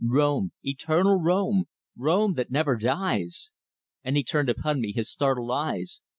"Rome! Eternal Rome! Rome that never dies!" And he turned upon me his startled eyes.